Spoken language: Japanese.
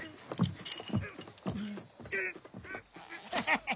ハハハハ。